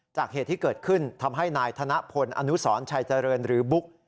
เหตุที่เกิดขึ้นทำให้นายธนพลอนุสรชัยเจริญหรือบุ๊ก